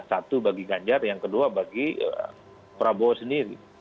satu bagi ganjar yang kedua bagi prabowo sendiri